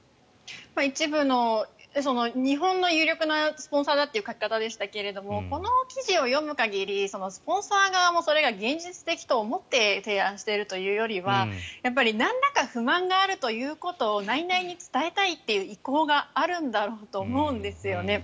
一部の日本の有力なスポンサーだという書き方でしたがこの記事を読む限りスポンサー側もそれが現実的と思って提案しているというよりはなんらかの不満があるということを内々に伝えたいという意向があるんだろうと思うんですよね。